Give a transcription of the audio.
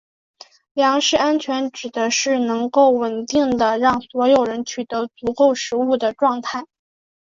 粮食安全指的是能够稳定地让所有人取得足够食物的状态。